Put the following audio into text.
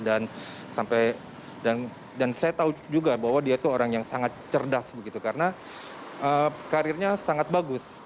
dan sampai dan saya tahu juga bahwa dia itu orang yang sangat cerdas begitu karena karirnya sangat bagus